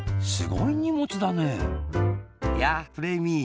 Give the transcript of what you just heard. やあフレーミー！